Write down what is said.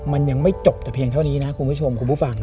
มันยังไม่จบแต่เพียงเท่านี้นะคุณผู้ชมคุณผู้ฟัง